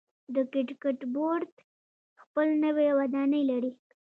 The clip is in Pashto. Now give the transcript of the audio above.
د کرکټ بورډ خپل نوی ودانۍ لري.